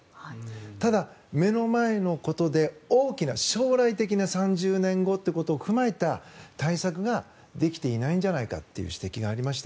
ただ、目の前のことで大きな将来的な３０年後というのを踏まえた対策ができていないんじゃないかという指摘がありました。